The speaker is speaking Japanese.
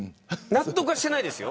納得はしていないですよ。